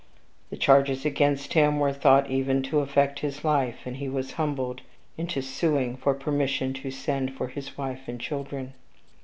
The charges against him were thought even to affect his life, and he was humbled into suing for permission to send for his wife and children.